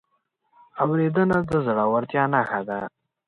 اورېدنه د زړورتیا نښه ده.